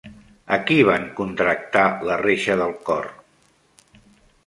A qui van contractar la reixa del cor?